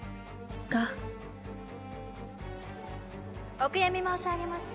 お悔やみ申し上げます。